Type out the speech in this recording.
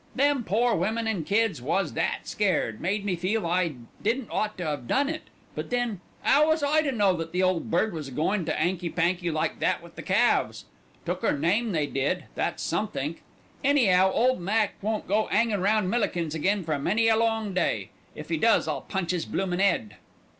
Them pore women an' kids was that scared, made me feel I didn't ought to 'ave done it; but then, 'ow was I to know that the Ole Bird was goin' to 'anky panky like that with Calves. Took 'er name they did, that's somethink. Any'ow, ole Mac won't go 'angin' round Millikins again for many a long day. If 'e does I'll punch 'is bloomin' 'ead."